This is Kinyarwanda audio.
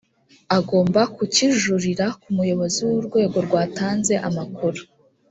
agomba kukijurira ku muyobozi w’urwego rwatanze amakuru